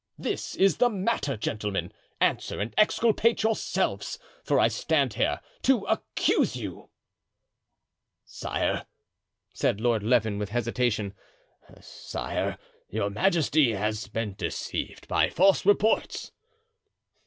This is the matter, gentlemen; answer and exculpate yourselves, for I stand here to accuse you." "Sire," said Lord Leven, with hesitation, "sire, your majesty has been deceived by false reports."